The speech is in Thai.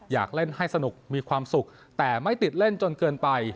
อยากเล่นให้สนุกมีความสุขแต่ไม่ติดเล่นจนเกินไป